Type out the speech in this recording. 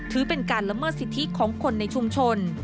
ถือเป็นการละเมิดสิทธิของคนในชุมชน